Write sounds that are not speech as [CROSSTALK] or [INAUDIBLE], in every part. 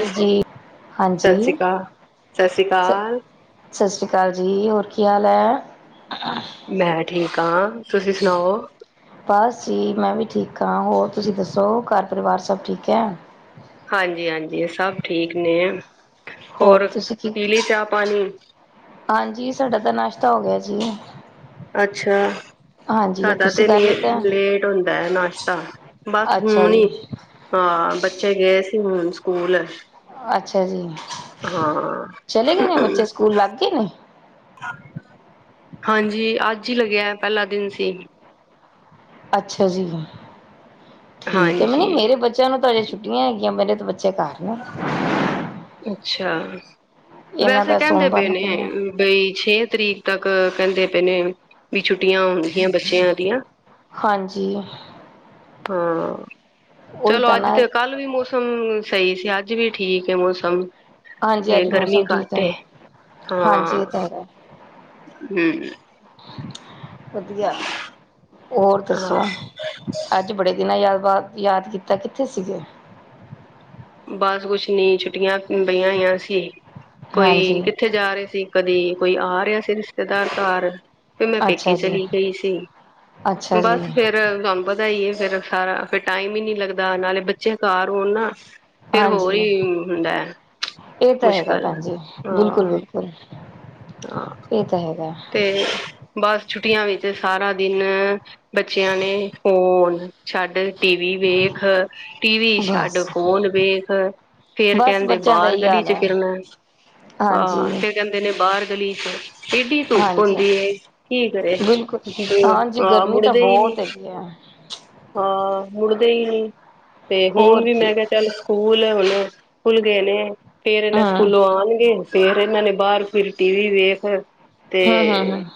ਹਾਂਜੀ ।ਹਾਂਜੀ। ਸਤਿ ਸ਼੍ਰੀ ਅਕਾਲ, ਸਤਿ ਸ਼੍ਰੀ ਅਕਾਲ, ਸਤਿ ਸ਼੍ਰੀ ਅਕਾਲ ਜੀ । ਹੋਰ ਕੀ ਹਾਲ ਹੈ। ਮੈਂ ਠੀਕ ਹਾਂ ਤੁਸੀਂ ਸੁਣਾਓ। ਬਸ ਜੀ ਮੈਂ ਵੀ ਠੀਕ ਹਾਂ, ਹੋਰ ਤੁਸੀਂ ਦੱਸੋ ਘਰ ਪਰਿਵਾਰ ਸਭ ਠੀਕ ਹੈ। ਹਾਂਜੀ । ਹਾਂਜੀ । ਸਭ ਠੀਕ ਨੇ ਹੋਰ ਤੁਸੀਂ ਕੀ ਪੀਲੀ ਚਾਹ ਪਾਣੀ ਹਾਂਜੀ ਸਾਡਾ ਤਾਂ ਨਾਸ਼ਤਾ ਹੋ ਗਿਆ ਜੀ। ਅੱਛਾ। ਹਾਂਜੀ ਸਾਡਾ ਤੁਸੀਂ ਤੇ ਨੇ ਕਰ ਲਿੱਤਾ? ਲੇਟ, ਲੇਟ ਹੁੰਦਾ ਹੈ ।ਨਾਸ਼ਤਾ ਬਸ ਅੱਛਾ ਹੁਣ ਹੀ ਜੀ, ਹਾਂ। ਬੱਚੇ ਗਏ ਸੀ ਹੁਣ ਸਕੂਲ ਅੱਛਾ ਜੀ ਹਾਂ। ਚਲੇ ਗਏ ਨੇ ਬੱਚੇ ਸਕੂਲ ਲੱਗ ਗਏ ਨੇ ਹਾਂਜੀ। ਅੱਜ ਹੀ ਲੱਗਿਆ ਪਹਿਲਾ ਦਿਨ ਸੀ। ਅੱਛਾ । ਜੀ ਠੀਕ ਹੈ ਮੈ ਹਾਂਜੀ, ਮੇਰੇ ਬੱਚਚਚਚ ਬੱਚਿਆਂ ਨੂੰ ਤਾਂ ਅਜੇ ਛੁੱਟੀਆਂ ਹੈਗੀਆਂ ਮੇਰੇ ਤੋਂ ਬੱਚੇ ਘਰ ਨੇ ਅੱਛਾ ਇਹਨਾਂ ਵੈਸੇ ਦਾ ਕਹਿੰਦੇ ਸੋਮਵਾਰ ਬੇ ਨੂੰ ਨੇ ਖੁੱਲਣਾ, ਬਈ ਛੇ ਤਰੀਕ ਤੱਕ ਕਹਿੰਦੇ ਪਏ ਨੇ ਵੀ ਛੁੱਟੀਆਂ ਹਦੀਗਆਂ ਬੱਚਿਆਂ ਦੀਆਂ ਹਾਂਜੀ। ਹਾਂ ਉਹੀ ਚਲੋ ਤਾਂ ਅੱਜ ਨਾ ਤੇ ਕੱਲ ਵੀ ਮੌਸਮ ਸਹੀ ਸੀ । ਅੱਜ ਵੀ ਠੀਕ ਹੈ। ਮੌਸਮ ਫ ਹਾਂਜੀ ਅੱਜ ਗਰਮੀ ਮੌਸਮ ਠੀਕ ਘੱਟ ਆ। ਹੈ ਹਾਂਜੀ ਹਾਂ ਇਹ ਤਾਂ ਹੈਗਾ ਹਮ ਵਧੀਆ। ਹੋਰ ਦੱਸੋ ਹਾਂ ਅੱਜ ਬੜੇ ਦਿਨਾਂ ਯਾਦ ਬਾ ਯਾਦ ਕੀਤਾ ਕਿੱਥੇ ਸੀਗੇ ਬਸ ਕੁਛ ਨੀ ਛੁੱਟੀਆਂ ਬਈਆਂ ਹੋਈਆਂ ਸੀ ਕੋਈ ਹਾਂਜੀ ਇੱਥੇ ਜਾ ਰਹੇ ਸੀ ਕਦੀ ਕੋਈ ਆ ਰਿਹਾ ਸੀ ਰਿਸ਼ਤੇਦਾਰ ਘਰ ਵੀ ਮੈਂ ਪੇਕੇੀ ਅੱਛਾ ਜੀ ਚਲੀ ਗਈ ਸੀ ਅੱਛਾ ਜੀ ਬਸ ਫੇਿਰ ਫ ਤੁਹਾਨੂੰ ਪਤਾ ਹੀ ਫੇਿਰ ਸਾਰਾ ਫਰ ਟਾਈਮ ਹੀ ਨੀ ਲੱਗਦਾ ਨਾਲੇ ਬੱਚੇ ਘ ਹੋਣ ਨਾ ਫਿਰ ਹੋਰ ਹਾਂਜੀ ਹੀ ਹੁੰਦਾ ਹੈ ਇਹ ਤਾਂ ਹੈਗਾ ਮੁਸ਼ਕਿਲ ਭੈਣ ਜੀ ਹਾਂ ਬਿਲਕੁਲ ਬਿਲਕੁਲ ਹਾਂ ਇਹ ਤਾਂ ਹੈਗਾ ਤੇ ਬਸ ਛੁੱਟੀਆਂ ਵਿੱਚ ਸਾਰਾ ਦਿਨ ਬੱਚਿਆਂ ਨੇ ਹੋਣ ਛੱਡ ਟੀਵੀ ਵੇਖ ਟੀਵੀ ਛੱਡ ਬਸ ਫੋਨ ਵੇਖ ਫੇਰ ਬਸ ਕਹਿੰਦੇ ਬੱਚਿਆਂ ਦਾ ਬਾਹਰ ਇਹੀ ਗਲੀ ਹਾਲ ਚ ਹੈ ਫਿਰਨਾ ਹਾਂਜੀ ਜਾਂਦੇ ਨੇ ਬਾਹਰ ਗਲੀ ਚ ਸੇਡੀ ਧੁੱਪ ਹਾਂਜੀ ਹੁੰਦੀ ਕੀ ਕਰੇ ਬਿਲਕੁਲ ਹਾਂ ਮੁੜਦੇ ਹੀ ਨੀ ਗਿਆ ਹੈ। ਹਾਂ ।ਮੁੜਦੇ ਹੀ ਨਹੀਂ । ਤੇ ਹੁਣ ਹੋਰ ਵੀ ਕੀ ਮੈਂ ਕਿਹਾ ਚੱਲ ਸਕੂਲ ਹੁਣ ਖੁੱਲ ਗਏ ਨੇ ਫੇਰ ਇਹਨਾਂ ਹਮ ਸਕੂਲੋਂ ਆਉਣਗੇ।। ਫੇਰ ਇਹਨਾਂ ਨੇ ਬਾਹਰ ਫਿਰ ਟੀ ਵੀ ਵੇਖ ਤੇ ਹਮ ਹਮ ਹਮ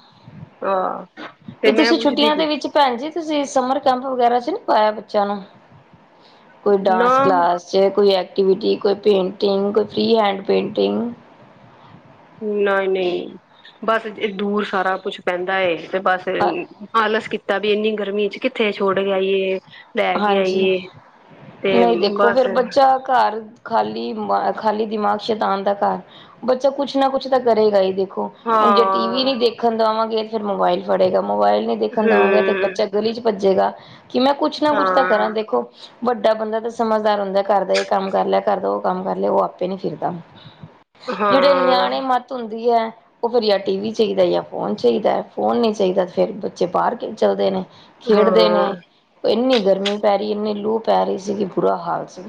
ਆਹ ਤੇ ਇਹ ਮੈਂ ਤੁਸੀਂ ਪੁੱਛਦੀ ਛੁੱਟੀਆਂ ਸੀ ਦੇ । ਵਿੱਚ ਭੈਣ ਜੀ ਤੁਸੀਂ ਸਮਰ ਕੈਂਪ ਵਗੈਰਾ ਚ ਨਹੀਂ ਪਾਇਇਆ। ਬੱਚਿਆਂ ਨੂੰ ਕੋਈ ਨਾ ਡਾਂਸ ਕਲਾਸ ਚਾਹੇ ਕੋਈ ਐਕਟੀਵਿਟੀ ਕੋਈ ਪੇਂਟਿੰਗ ਕੋਈ ਫ੍ਰੀ ਹੈਂਡ ਪੇਂਟਿੰਗ ਨਹੀਂ ਨਹੀਂ ਬਸ ਦੂਰ ਸਾਰਾ ਕੁਛ ਪੈਂਦਾ ਤੇ ਬਸ ਆਲਸ ਕੀਤਾ ਵੀ ਇੰਨੀ ਗਰਮੀ ਚ ਕਿੱਥੇ ਛੋੜ ਕੇਈ ਹਾਂਜੀ ਨਹੀਂ ਦੇਖੋ ਬਸ ਫੇਿਰ ਬੱਚਾ ਘਰ ਖਾਲੀ ਖਾਲੀ ਦਿਮਾਗ ਸ਼ੈਤਾਨ ਦਾ ਘਰ ਬੱਚਾ ਕੁਛ ਨਾ ਕੁਛ ਤਾਂ ਕਰੇਗਾ ਹੀ ਦੇਖੋ ਹੁਣ ਜੇ ਟੀ ਵੀ ਹਾਂ ਨ ਦੇਖਣ ਦੇਵਾਂਗੇ ਤੇ ਫੇਿਰ ਮੋਬਾਇਲ ਫੜੇਗਾ ਮੋਬਾਇਲ ਨ ਦੇਖਣ ਦੇਵਾਂਗੇ ਤੇ ਹਮ ਚਗਲੀ ਚ ਭੱਜੇਗਾ ਕਿ ਮੈਂ ਕੁੱਛ ਨਾ ਕੁੱਛ ਤਾਂ ਕਰਾਂ ਹਾਂ ਦੇਖੋ। ਵੱਡਾ ਬੰਦਾ ਤਾਂ ਸਮਝਦਾਰ ਹੁੰਦਾ ਘਰ ਦਾ ਇਹ ਕੰਮ ਕਰ ਲਿਆ ਘਰ ਦਾ ਉਹ ਕੰਮ ਕਰ ਲਿਆ ਉਹ ਆਪੇ ਨੀ ਫਿਰਦਾ ਜਿਹੜੇ ਹਾਂ ਨਿਆਣੇ ਮੱਤ ਹੁੰਦੀ ਹੈ ਉਹ ਫਿਰ ਯ ਟੀ ਵੀ ਚਾਹੀਦਾ ਜਾਂ ਫੋਨ ਚਾਹੀਦਾ ਫੋਨ ਨਹੀਂ ਚਾਹੀਦਾ ਫਿਰ ਬੱਚੇ ਬਾਹਰ ਚੱਲਦੇ ਨੇ ਖੇਡਦੇ ਨੇ ਹਾਂ ਇੰਨੀ ਗਰਮੀ ਪੈ ਰਹੀ ਇੰਨੀ ਲੂਹ ਪੈ ਰਹੀ ਸੀਗੀ ਬੁਰਾ ਹਾਲ ਸੀ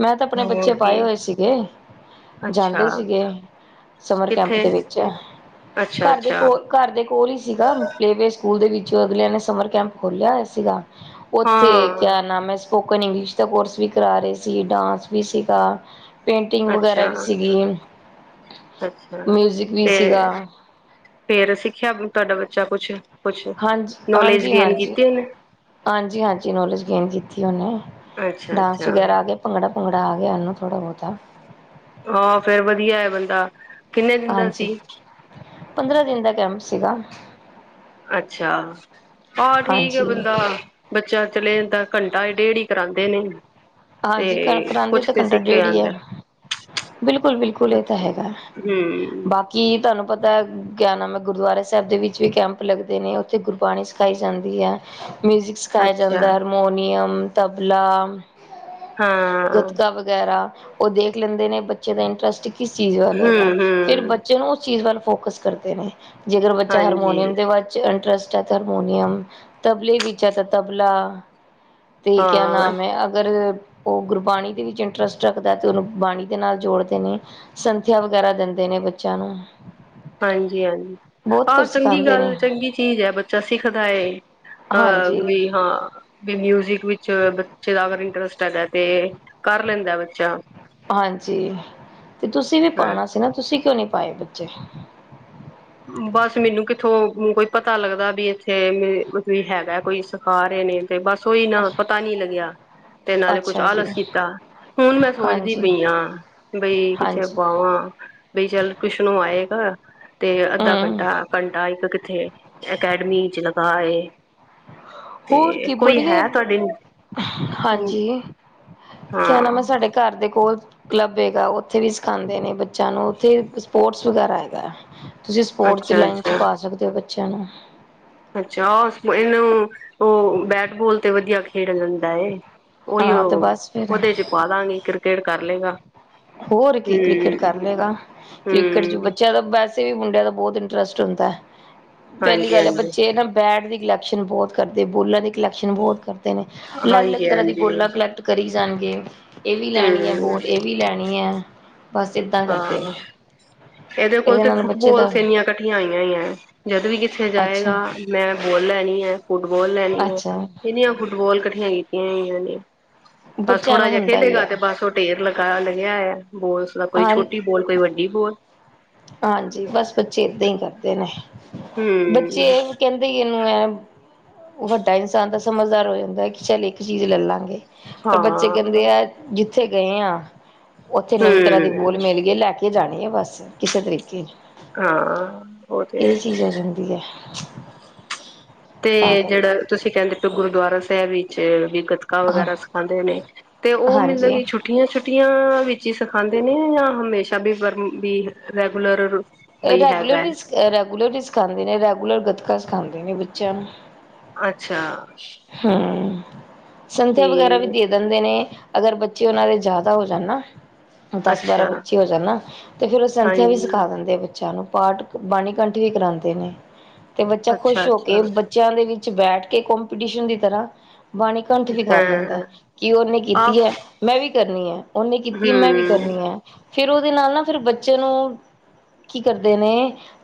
ਮੈਂ ਤਾਂ ਆਪਣੇ ਬੱਚੇ ਹੋਰ ਪਾਏ ਕੀ ਹੋਏ ਸੀਗੇ ਜਾਂਦੇ ਅੱਛਾ ਸੀਗੇ ਸਮਰ ਕੈਂਪ ਕਿੱਥੇ ਦੇ ਵਿੱਚ ਅੱਛਾ ਘਰ ਦੇ ਅੱਛਾ ਕੋਲ ਘਰ ਦੇ ਕੋਲ ਹੀ ਸੀਗਾ ਪਲੇ ਵੇਸਟ ਸਕੂਲ ਦੇ ਵਿੱਚੋਂ ਅਗਲਿਆਂ ਨੇ ਸਮਰ ਕੈਂਪ ਖੋਲਿਆ ਹੋਇਆ ਸੀਗਾ ਉੱਥੇ ਹਾਂ ਕਿਆ ਨਾਮ ਐ, ਸਪੋਕਨ ਇੰਗਲਿਸ਼ ਦਾ ਕੋਰਸ ਵੀ ਕਰਾ ਰਹੇ ਸੀ। ਡਾਂਸ ਵੀ ਸੀਗਾ। ਪੇਂਟਿੰਗ ਵਗੈਰਾ ਅੱਛਾ ਵੀ ਸੀਗੀ, ਅੱਛਾ ਮਿਊਜ਼ਿਕ ਵੀ ਸੀਗਾ। ਤੇ ਫੇਰ ਸਿੱਖਿਆ ਤੁਹਾਡਾ ਬੱਚਾ ਕੁਛ ਕੁਛ ਨੌਲੇਜ ਗੇਨ ਕੀਤੀ ਉਹਨੇ ਹਾਂਜੀ-ਹਾਂਜੀ, ਨੋਲੇਜ ਗੇਨ ਕੀਤੀ ਉਹਨੇ ਅੱਛਾ ਡਾਂਸ ਅੱਛਾ ਵਗੈਰਾ ਆ ਗਿਆ। ਭੰਗੜਾ ਭੂੰਗੜਾ ਆ ਗਿਆ ਉਹਨੂੰ ਥੋੜ੍ਹਾ ਬਹੁਤਾ। ਹਾਂ, ਫੇਰ ਵਧੀਆ ਐ ਬੰਦਾ। ਕਿੰਨੇ ਦਿਨ ਦਾ ਹਾਂਜੀ, ਸੀ ਪੰਦਰਾਂ ਦਿਨ ਦਾ ਕੈਂਪ ਸੀਗਾ। ਅੱਛਾ, ਆਹੋ ਠੀਕ ਆ ਹਾਂਜੀ ਬੰਦਾ ਬੱਚਾ ਚਲੇ ਜਾਂਦਾ ਘੰਟਾ ਡੇਢ ਈ ਕਰਾਂਦੇ ਨੇ। ਹਾਂਜੀ, ਤੇ ਕਰਾਂਦੇ ਕੁਛ ਤੇ ਘੰਟਾ ਸਿੱਖ ਕੇ ਡੇਢ ਈ ਆ। ਆਉਂਦਾ ਬਿਲਕੁਲ-ਬਿਲਕੁਲ, ਇਹ ਤਾਂ ਕੁਛ ਹੈਗਾ ਹਮ ਬਾਕੀ। ਕੀ ਤੁਹਾਨੂੰ ਪਤਾ ਗਿਆਨਾਮਾ ਗੁਰਦੁਆਰਾ ਸਾਹਿਬ ਦੇ ਵਿੱਚ ਵੀ ਕੈਂਪ ਲੱਗਦੇ ਨੇ ਉੱਥੇ ਗੁਰਬਾਣੀ ਸਿਖਾਈ ਜਾਂਦੀ ਐ। ਮਿਊਜ਼ਿਕ ਸਿਖਾਇਆ ਅੱਛਾ ਜਾਂਦਾ ਹਾਰਮੋਨੀਅਮ, ਤਬਲਾ ਹਾਂ ਗਤਕਾ ਵਗੈਰਾ ਉਹ ਦੇਖ ਲੈਂਦੇ ਨੇ ਬੱਚੇ ਦਾ ਇੰਟਰਸਟ ਕਿਸ ਚੀਜ਼ ਵੱਲ ਹੈਗਾ ਹਮ ਫੇਰ ਹਮ ਬੱਚੇ ਨੂੰ ਉਸ ਚੀਜ਼ ਵੱਲ ਫੋਕਸ ਕਰਦੇ ਨੇ। ਜੇਕਰ ਬੱਚਾ ਹਾਂਜੀ ਹਾਰਮੋਨੀਅਮ ਦੇ ਵਿੱਚ ਇੰਟਰਸਟ। ਹਰਮੋਨੀਅਮ, ਤਬਲੇ ਵਿੱਚ ਆ ਤਾਂ ਤਬਲਾ ਤੇ ਕਿਆ ਹਾਂ ਨਾਮ ਐ। ਅਗਰ ਉਹ ਗੁਰਬਾਣੀ ਦੇ ਵਿੱਚ ਇੰਟਰਸਟ ਰੱਖਦਾ ਤਾਂ ਉਹਨੂੰ ਬਾਣੀ ਦੇ ਨਾਲ ਜੋੜਦੇ ਨੇ ਸੰਥਿਆ ਵਗੈਰਾ ਦਿੰਦੇ ਨੇ ਬੱਚਿਆਂ ਨੂੰ। ਹਾਂਜੀ-ਹਾਂਜੀ, ਬਹੁਤ ਆਹ ਕੁਝ ਚੰਗੀ ਸਿਖਾਉਂਦੇ ਗੱਲ ਨੇ। ਚੰਗੀ ਚੀਜ਼ ਐ ਬੱਚਾ ਸਿੱਖਦਾ ਏ। ਹਾਂਜੀ, ਅ ਵੀ ਹਾਂ, ਵੀ ਮਿਊਜਿਕ ਵਿੱਚ ਬੱਚੇ ਦਾ ਅਗਰ ਇੰਟਰਸਟ ਹੈਗਾ ਤੇ ਕਰ ਲੈਂਦਾ ਬੱਚਾ ਹਾਂਜੀ, ਤੇ ਤੁਸੀਂ ਵੀ ਹਾਂ ਪਾਉਣਾ ਸੀ ਨਾ ਤੁਸੀਂ ਕਿਉਂ ਨੀ ਪਾਏ। ਬੱਚੇ ਬਸ ਮੈਨੂੰ ਕਿੱਥੋਂ ਕੋਈ ਪਤਾ ਲੱਗਦਾ ਵੀ ਇੱਥੇ ਮਤਲਬ ਹੈਗਾ ਕੋਈ ਸਿਖਾ ਰਹੇ ਨੇ। ਤੇ ਬਸ ਉਹੀ ਨਾ ਪਤਾ ਨੀ ਲੱਗਿਆ ਤੇ ਨਾਲੇ ਕੁਛ ਅੱਛਾ ਜੀ, ਆਲਸ ਕੀਤਾ ਹੁਣ ਮੈਂ ਸੋਚਦੀ ਹਾਂਜੀ, ਪਈ ਆ ਬਈ ਕਿੱਥੇ ਹਾਂਜੀ ਪਾਵਾਂ। ਬਈ ਚੱਲ ਟਿਊਸ਼ਨ ਓ ਆਏਗਾ। ਤੇ ਅੱਧਾ ਹੂੰ। ਘੰਟਾ ਘੰਟਾ ਇੱਕ ਕਿੱਥੇ ਅਕੈਡਮੀ ਚ ਲਗਾ ਆਏ। ਤੇ ਹੋਰ ਕੀ ਕੋਈ ਹੈ ਬੜੀਆ ਤੁਹਾਡੀ ਹੂੰ, ਹਾਂਜੀ ਕਿਆ ਨਾਮ ਹੈ ਸਾਡੇ ਹਾਂ, ਘਰ ਦੇ ਕੋਲ ਕਲੱਬ ਹੈਗਾ ਉੱਥੇ ਵੀ ਸਿਖਾਂਦੇ ਨੇ ਬੱਚਿਆਂ ਨੂੰ ਉੱਥੇ ਸਪੋਰਟਸ ਵਗੈਰਾ ਹੈਗਾ। ਤੁਸੀਂ ਸਪੋਰਟਸ ਅੱਛਾ ਲਾਈਨ ਚ ਅੱਛਾ ਪਾ ਸਕਦੇ ਓ ਬੱਚਿਆਂ ਨੂੰ। ਅੱਛਾ, ਉਹ ਇਹਨੂੰ ਉਹ ਬੈਟਬੋਲ ਤੇ ਵਧੀਆ ਖੇਡ ਲੈਂਦਾ। ਓਹੀਓ ਹਾਂ ਤੇ ਬਸ ਫਿਰ ਉਹਦੇ ਚ ਪਾਦਾਂਗੇ ਕ੍ਰਿਕਟ ਕਰ ਲੇਗਾ। ਹੋਰ ਕੀ ਕ੍ਰਿਕਟ ਕਰ ਲੇਗਾ ਕ੍ਰਿਕਟ ਚ ਹਮ ਬੱਚਿਆਂ ਦਾ ਬਸ ਤੇ ਮੁੰਡਿਆਂ ਦਾ ਬਹੁਤ ਇੰਟਰਸਟ ਹੁੰਦਾ ਪਹਿਲੀ ਹਾਂਜੀ ਗੱਲ ਐ ਹਾਂਜੀ ਬੱਚੇ ਨਾ। ਬੈਟ ਦੀ ਕਲੈਕਸ਼ਨ ਬਹੁਤ ਕਰਦੇ ਬੋਲਾਂ ਦੀ ਕਲੈਕਸ਼ਨ ਬਹੁਤ ਕਰਦੇ ਨੇ ਅਲੱਗ-ਅਲੱਗ ਹਾਂਜੀ ਤਰ੍ਹਾਂ ਦੀ ਹਾਂਜੀ ਬੋਲਾਂ ਕਲੈਕਟ ਕਰੀ ਜਾਣਗੇ ਇਹ ਵੀ ਲੈਣੀ ਐ ਹਮ ਬੋਲ ਇਹ ਵੀ ਲੈਣੀ ਹੈ ਬਸ ਏਦਾਂ ਕਰਦੇ ਹਾਂ ਨੇ। ਇਹਦੇ ਕੋਲ ਤੇ ਨਾਲ ਬੱਚੇ ਫੁੱਟਬੋਲ ਦਾ ਏਣੀਆਂ ਇਕੱਠੀਆਂ ਹੋਈਆਂ ਹੀ ਹੈ। ਜਦ ਵੀ ਕਿੱਥੇ ਅੱਛਾ ਜਾਏਗਾ। ਮੈਂ ਬਾੱਲ ਲੈਣੀ ਹੈ। ਫੁੱਟਬੋਲ ਲੈਣੀ ਹੈ। ਅੱਛਾ ਇਹਨੀਆਂ ਫੁੱਟਬੋਲ ਇਕੱਠੀਆਂ ਕੀਤੀਆਂ ਹੋਈਆਂ ਨੇ। ਬਸ ਬੱਚਿਆਂ ਥੋੜਾ ਨੂੰ ਜਿਹਾ ਹੁੰਦਾ ਹੀ ਖੇਲੇਗਾ ਆ ਤੇ ਬਸ। ਢੇਰ ਲਗਾਾਇਆ ਲਗਿਆ ਹੋਇਆ। ਬੋਲਸ ਦਾ ਕੋਈ ਹਾਂ ਛੋਟੀ ਬੋਲ ਕੋਈ ਵੱਡੀ ਬੋਲ। ਹਾਂਜੀ, ਬਸ ਬੱਚੇ ਏਦਾਂ ਹੀ ਕਰਦੇ ਨੇ ਹੂੰ ਬੱਚੇ ਕਹਿੰਦੇ ਇਹਨੂੰ ਐ ਉਹ ਵੱਡਾ ਇਨਸਾਨ ਦਾ ਸਮਝਦਾਰ ਹੋ ਜਾਂਦਾ ਕਿ ਚੱਲ ਇੱਕ ਚੀਜ਼ ਲੈ ਲਾਂਗੇ। ਪਰ ਬੱਚੇ ਕਹਿੰਦੇ ਹਾਂ ਆ ਜਿੱਥੇ ਗਏ ਆ ਉੱਥੇ ਨਵੀਂ ਤਰ੍ਹਾਂ ਦੇ ਹੂੰ ਬੋਲ ਮਿਲ ਗਈ ਲੈ ਕੇ ਜਾਣੀ ਆ ਬਸ। ਕਿਸੇ ਤਰੀਕੇ ਹਾਂ ਉਹ ਤੇ ਇਹ ਹੈ। ਚੀਜ਼ ਆ ਜਾਂਦੀ ਐ। ਤੇ ਜਿਹੜਾ ਤੁਸੀਂ ਕਹਿੰਦੇ ਪਏ ਓ ਗੁਰਦੁਆਰਾ ਸਾਹਿਬ ਵਿੱਚ ਵੀ ਗਤਕਾ ਹਾਂ ਵਗੈਰਾ ਸਿਖਾਂਦੇ ਨੇ ਤੇ ਉਹ ਮਤਲਬ ਹਾਂਜੀ ਛੁੱਟੀਆਂ ਛੱ ਛੁੱਟੀਆਂ ਵਿੱਚ ਹੀ ਸਿਖਾਦੇ ਨੇ ਜਾਂ ਹਮੇਸ਼ਾ ਵੀ ਵੀ ਰੈਗੂਲਰ ਇਹ ਬਈ ਰੈਗੂਲਰ ਹੈਗਾ ਹੈ ਵੀ ਰੈਗੂਲਰ ਵੀ ਸਿਖਾਉਂਦੇ ਨੇ, ਰੈਗੂਲਰ ਗੱਤਕਾ ਸਿਖਾਉਂਦੇ ਨੇ ਬੱਚਿਆਂ ਨੂੰ। ਅੱਛਾ। ਹਾਂ। ਸੰਧਿਆ ਵਗੈਰਾ ਵੀ ਠੀਕ ਦੇ ਦਿੰਦੇ ਨੇ। ਅਗਰ ਬੱਚੇ ਉਹਨਾਂ ਦੇ ਜ਼ਿਆਦਾ ਹੋ ਜਾਨਾ। ਦਸ -ਬਾਰਾਂ ਅੱਛਾ ਬੱਚੇ ਹੋ ਜਾਂਣਾ ਨਾ। ਤੇ ਫੇਰ ਉਹ ਸੰਥੀਆਂ ਵੀ ਹਾਂਜੀ ਸਿਖਾ ਦਿੰਦੇ ਆ ਬੱਚਿਆਂ ਨੂੰ ਪਾਠ ਬਾਣੀ ਕੰਠ ਵੀ ਕਰਾਉਂਦੇ ਨੇ। ਤੇ ਬੱਚਾ ਖੁਸ਼ ਹੋ ਕੇ ਅੱਛਾ-ਅੱਛਾ ਬੱਚਿਆਂ ਦੇ ਵਿੱਚ ਬੈਠ ਕੇ ਕੋਂਪੀਟੀਸ਼ਨ ਦੀ ਤਰ੍ਹਾਂ ਵਾਣੀ ਕੰਠ ਵੀ ਕਰ ਲੈਂਦਾ। ਹਾਂ ਕਿ ਉਹਨੇ ਕੀਤੀ ਆਹ ਹੈ। ਮੈਂ ਵੀ ਕਰਨੀ ਹੈ, ਉਹਨੇ ਕੀਤੀ ਹੈ ਮੈਂ ਵੀ। ਹੂੰ ਕਰਨੀ ਹੈ। ਫੇਰ ਉਹਦੇ ਨਾਲ ਨਾ ਫਿਰ ਬੱਚੇ ਨੂੰ ਕੀ ਕਰਦੇ ਨੇ।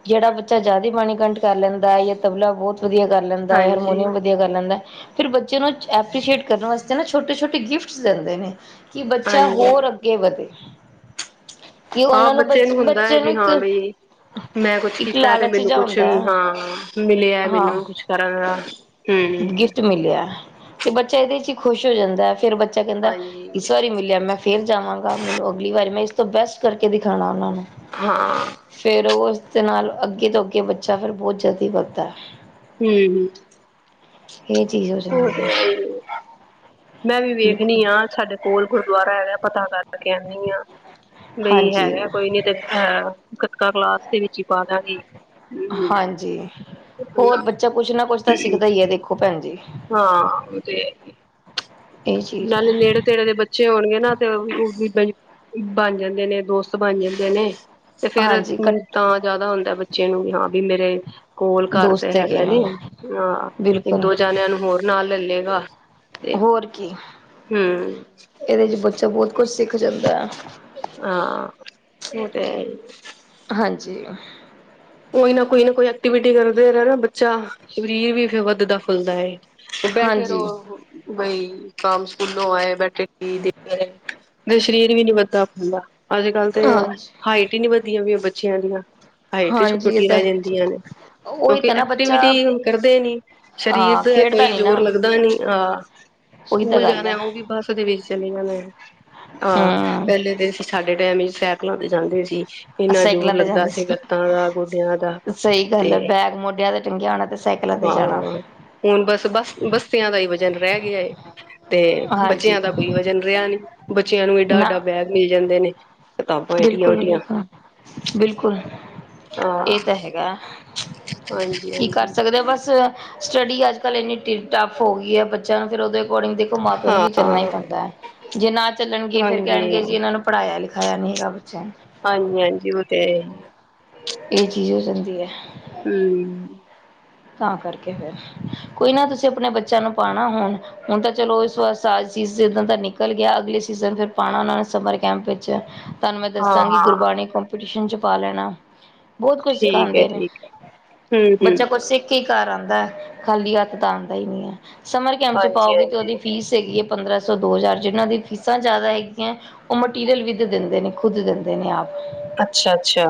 ਜਿਹੜਾ ਬੱਚਾ ਜ਼ਿਆਦਾ ਬਾਣੀ ਕੰਠ ਕਰ ਲੈਂਦਾ ਹੈ ਜਾਂ ਤਬਲਾ ਬਹੁਤ ਵਧੀਆ ਕਰ ਲੈਂਦਾ ਹੈ। ਹਾਂਜੀ ਹਰਮੋਨੀਅਮ ਵਧੀ ਕਰ ਲੈਂਦਾ। ਫਿਰ ਬੱਚੇ ਨੂੰ ਐਪ੍ਰਸ਼ਏਟ ਕਰਨ ਵਾਸਤੇ ਨਾ ਛੋਟੇ- ਛੋਟੇ ਗਿਫਟਸ ਦਿੰਦੇ ਨੇ। ਕਿ ਬੱਚਾ ਹਾਂਜੀ ਹੋਰ ਅੱਗੇ ਵਧੇ। ਕਿ ਹਾਂ। ਉਹਨਾਂ ਬ ਬੱਚੇ ਨੂੰ ਹੁੰਦਾ ਹੈ ਬੱਚੇ ਨੂੰ ਵੀ ਇੱਕ ਹਾਂ। ਬਈ, ਮੈਂ ਕੁਛ ਇੱਕ ਕੀਤਾ ਤੇ ਲਾਲਚ ਮੈਨੂੰ ਜਿਹਾ ਕੁਛ, ਹੁੰਦਾ ਹੈ ਹਾਂ। ਮਿਲਿਆ ਹਾਂ ਮੈਨੂੰ ਕੁਛ ਕਰਨ ਦਾ। ਹਮ ਗਿਫਟ ਮਿਲਿਆ। ਤੇ ਬੱਚਾ ਇਹਦੇ ਚ' ਹੀ ਖੁਸ਼ ਹੋ ਜਾਂਦਾ ਹੈ। ਫੇਰ ਬੱਚਾ ਕਹਿੰਦਾ। ਹਾਂਜੀ ਇਸ ਵਾਰੀ ਮਿਲਿਆ ਮੈਂ ਫੇਰ ਜਾਵਾਂਗਾ ।ਮੈਨੂੰ ਅਗਲੀ ਵਾਰੀ ਮੈਂ ਇਸ ਤੋਂ ਬੈਸਟ ਕਰਕੇ ਦਿਖਾਉਣਾ ਉਹਨਾਂ ਨੂੰ। ਹਾਂ। ਫਿਰ ਉਹ ਉਸ ਦੇ ਨਾਲ ਅੱਗੇ ਤੋਂ ਅੱਗੇ ਬੱਚਾ ਫਿਰ ਬਹੁਤ ਜਲਦੀ ਵੱਧਦਾ। ਹੂੰ- ਹੂੰ। ਇਹ ਚੀਜ਼ ਹੋ ਤੇ ਹੈ ਹੀ ਏ। ਮੈਂ ਵੀ ਬਿਲਕੁਲ ਵੇਖਣੀ ਹਾਂ। ਸਾਡੇ ਕੋਲ ਗੁਰਦੁਆਰਾ ਹੈਗਾ ਪਤਾ ਕਰਕੇ ਆਦੀ ਹਾਂ। ਬਈ ਹਾਂਜੀ ਹੈਗਾ। ਕੋਈ ਨੀ ਤੇ ਅਹ ਖਤਕਾ ਕਲਾਸ ਦੇ ਵਿੱਚ ਹੀ ਪਾ ਦਾਂਗੇ। ਹਾਂਜੀ ।ਹੋਰ ਬੱਚਾ ਕੁਛ ਨਾ ਕੁਛ ਤਾਂ ਸਿੱਖਦਾ ਹੀ ਹੈ। ਦੇਖੋ, ਭੈਣ ਜੀ। ਹਾਂ। ਤੇ ਇਹ ਚੀਜ਼ ਨਾਲ ਹੈ ਨੇੜ ਤੇੜੇ ਦੇ ਬੱਚੇ ਹੋਣਗੇ ਨਾ ਤੇ ਉਹ ਵੀ ਬਣ ਜਾਂਦੇ ਨੇ, ਦੋਸਤ ਬਣ ਜਾਂਦੇ ਨੇ। ਤੇ ਫੇਰ ਹਾਂਜੀ ਕ ਤਾਂ ਜ਼ਿਆਦਾ ਹੁੰਦਾ ਬੱਚੇ ਨੂੰ ਵੀ ਹਾਂ, ਵੀ ਮੇਰੇ ਕੋਲ ਕਰ ਤੇ ਦੋਸਤ ਹੈਗੇ ਹੈਗਾ ਨੇ ਨ। ਹਾਂ। ਇੱਕ ਬਿਲਕੁਲ -ਦੋ ਜਣਿਆਂ ਨੂੰ ਹੋਰ ਨਾਲ ਲੈਲੇੇਗਾ। ਹੋਰ ਕੀ। ਹਮ। ਇਹਦੇ ਚ' ਬੱਚਾ ਬਹੁਤ ਕੁਛ ਸਿੱਖ ਜਾਂਦਾ ਹੈ। ਹਾਂ। ਉਹ ਤੇ ਹੈ ਏ। ਹਾਂਜੀ। ਉਹ ਨਾ ਕੋਈ ਨਾ ਕੋਈ ਐਕਟੀਵਿਟੀ ਕਰਦੇ ਨਾ ਬੱਚਾ, ਸਰੀਰ ਵੀ ਫ ਵੱਧਦਾ- ਫੁੱਲਦਾ ਹੈ। ਬੈਠੇ ਹਾਂਜੀ ਰਹੋ। ਬਈ, ਕੰਮ ਸਕੂਲੋਂ ਆਏ ਬੈਠੇ ਤੇ, ਸਰੀਰ ਵੀ ਨੀ ਵਧਦਾ ਪੈਂਦਾ। ਅੱਜ ਕੱਲ ਤੇ ਹਾਂਜੀ ਹਾਈਟ ਹੀ ਨੀ ਵੱਧਦੀਆ ਵੀਈਆਂ ਬੱਚਿਆਂ ਦੀਆਂ। ਹਾਈਟ ਹਾਂਜੀ ਇਹ ਛੁੱਟੀ ਤਾਂ ਰਹਿ ਜਾਂਦੀਆਂ ਨੇ [UNINTELLIGIBLE] ਉਹੀ ਕਿਉਂਕਿ ਤਾਂ ਨਾ ਬੱਚਾ ਐਕਟੀਵਿਟੀ ਕਰਦੇ ਨੀ। ਸਰੀਰ ਹਾਂ ਦਾ ਖੇਡਦਾ ਕੋਈ ਨੀ ਨਾ ਜ਼ੋਰ ਲੱਗਦਾ ਨੀ। ਹਹ। ਉਹੀ ਤਾਂ ਸਕੂਲ ਗੱਲ ਹੈ ਜਾਣਾ ਉਹ ਵੀ ਬੱਸ ਦੇ ਵਿੱਚ। ਚਲੀ ਆਂ। ਮੈਂ ਹਹ ਹਮ ਪਹਿਲੇ ਤੇ ਅਸੀ ਸਾਡੇ ਟਾਈਮ ਹੀ ਸੈਕਲਾਂ ਤੇ ਜਾਂਦੇ ਸੀ। ਇੰਨਾ ਸਾਈਕਲਾਂ ਜ਼ੋਰ ਤੇ ਜਾਂਦੇ ਲੱਗਦਾ ਸੀ ਲੱਤਾਂ ਦਾ। ਗੋਡਿਆਂ ਦਾ ਸਹੀ ਗੱਲ ਤੇ ਹੈ। ਬੈਗ ਮੋਢਿਆਂ ਤੇ ਟੰਗਿਆ ਹੋਣਾ ਤੇ ਸਾਈਕਲਾਂ ਤੇ ਹਾਂ ਜਾਣਾ। ਹੁਣ, ਬਸ ਬੱਸ ਬਸਤਿਆਂ ਦਾ ਹੀ ਵਜਨ ਰਹਿ ਗਿਆ ਹੈਏ। ਤੇ ਹਾਂਜੀ ਬੱਚਿਆਂ ਦਾ ਕੋਈ ਵਜਨ ਰਿਹਾ ਨ ਬੱਚਿਆਂ ਨੂੰ ਏਡਾ- ਨਾ ਏਡਾ ਬੈਗ ਮਿਲ ਜਾਂਦੇ ਨੇ। ਏਡੀਆਂ ਬਿਲਕੁਲ ਏਡੀਆਂ ਬਿਲਕੁਲ ਬਿਲਕੁਲ ਹਾਂ ਇਹ ਤਾਂ ਹੈਗਾ ਹਾਂਜੀ ਕੀ ਕਰ ਹਾਂਜੀ ਸਕਦੇ ਹੋ ਬਸ ਸਟੱਡੀ ਅੱਜ ਕੱਲ੍ਹ ਇੰਨੀ ਟੱਫ ਹੋ ਗਈ ਹੈ ਬੱਚਿਆਂ ਨੂੰ ਫਿਰ ਉਹਦੇ ਅਕੋਰਡਿੰਗ ਦੇਖ ਮਾਂ ਪਿਓ ਨੂੰ ਹਾਂ ਵੀ ਚੱਲਣਾ ਹੀ ਪੈਂਦਾ ਹੈ ਜੇ ਨਾ ਚੱਲਣਗੇ ਫੇਰ ਹਾਂਜੀ ਕਹਿਣਗੇ ਜੀ ਇਹਨਾਂ ਨੂੰ ਪੜ੍ਹਾਇਆ ਲਿਖਿਆ [UNINTELLIGIBLE] ਖਾਆ ਨਹੀਂ ਗਬਚ [UNINTELLIGIBLE] ਹਾਂਜੀ ਹਾਂਜੀ ਉਹ ਤੇ ਇਹ ਚੀਜ਼ ਹੋ ਜਾਂਦੀ ਹੈ ਹਮ ਤਾਂ ਕਰਕੇ ਫਿਰ ਕੋਈ ਨਾ ਤੁਸੀਂ ਆਪਣੇ ਬੱਚਿਆਂ ਨੂੰ ਪਾਉਣਾ ਹੋਣ ਹੁਣ ਤਾਂ ਚਲੋ ਇਸ ਵਾਸਜ ਜਦਾਂ ਦਾ ਨਿਕਲ ਗਿਆ ਅਗਲੇ ਸੀਜ਼ਨ ਫਿਰ ਪਾਉਣਾ ਉਹਨਾਂ ਨੇ ਸਮਰ ਕੈਂਪ ਵਿੱਚ [UNINTELLIGIBLE] ਤੁਹਾਨੂੰ ਮੈਂ ਹਾਂ ਦੱਸਾਂਗੀ ਹਾਂ ਗੁਰਬਾਣੀ ਕੰਪੀਟੀਸ਼ਨ ਚ ਪਾ ਲੈਣਾ ਬਹੁਤ ਕੁਝ ਠੀਕ ਹੈ ਸਿਖਾਉਂਦੇ ਨੇ ਠੀਕ ਹੈ ਹਮ ਹਮ ਬੱਚਾ ਕੁਛ ਸਿੱਖ ਘਰ ਆਉਂਦਾ ਹੈ ਖਾਲੀ ਹੱਥ ਤਾਂ ਆਉਂਦਾ ਹੀ ਨਹੀਂ ਹੈ ਸਮਰ ਕੈਂਪ ਚ ਹਾਂਜੀ ਪਾਓਗੇ ਤੇ ਹਾਂਜੀ ਉਹਦੀ ਫੀਸ ਹੈਗੀ ਹੈ ਪੰਦਰਾਂ ਸੌ ਦੋ ਹਜ਼ਾਰ ਜਿਨ੍ਹਾਂ ਦੀ ਫੀਸਾਂ ਜ਼ਿਆਦਾ ਹੈਗੀਆਂ [UNINTELLIGIBLE] ਉਹ ਮਟੀਰੀਅਲ ਵੀ ਦਿੰਦੇ ਨੇ ਖੁਦ ਦਿੰਦੇ ਨੇ ਆਪ ਅੱਛਾ ਅੱਛਾ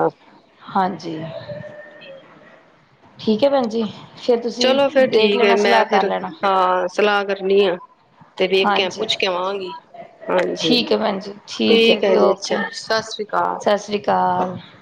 ਹਾਂਜੀ ਠੀਕ ਠੀਕ ਹੈ ਭੈਣ ਜੀ ਫਿਰ ਤੁਸੀਂ ਚਲੋ ਫੇਰ ਦੇਖ ਠੀਕ ਹੈ ਲੈਣਾ ਮੈਂ ਸਲਾਹ ਕਰ ਫਿਰ ਲੈਣਾ ਹਾਂ ਸਲਾਹ ਕਰਨੀ ਆ ਤੇ ਵੇਖ ਕੇ ਹਾਂਜੀ ਪੁੱਛ ਕੇ ਆਵਾਂਗੀ ਹਾਂਜੀ ਠੀਕ ਹੈ ਭੈਣ ਜੀ ਠੀਕ ਹੈ ਜੀ ਅੱਛਾ ਸਤਿ ਸ੍ਰੀ ਅਕਾਲ ਕਾਲ [UNINTELLIGIBLE]